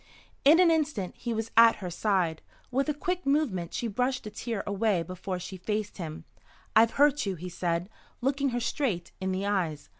In an instant he was at her side. With a quick movement she brushed the tear away before she faced him. "I've hurt you," he said, looking her straight in the eyes.